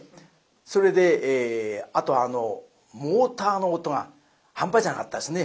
それであとあのモーターの音が半端じゃなかったですね。